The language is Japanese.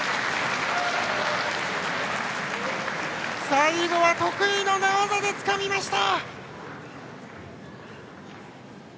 最後は得意の寝技でつかみました！